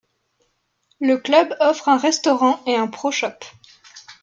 Le club offre un restaurant et un Pro Shop.